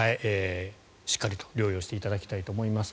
しっかりと療養していただきたいと思います。